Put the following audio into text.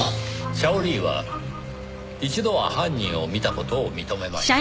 シャオリーは一度は犯人を見た事を認めました。